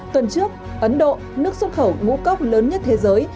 tuần trước ấn độ nước xuất khẩu ngũ cốc lớn nhất thế giới